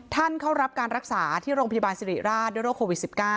เข้ารับการรักษาที่โรงพยาบาลสิริราชด้วยโรคโควิด๑๙